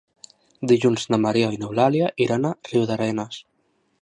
Dilluns na Maria i n'Eulàlia iran a Riudarenes.